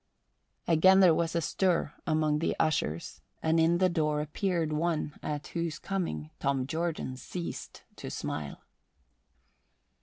Again there was a stir among the ushers, and in the door appeared one at whose coming Tom Jordan ceased to smile.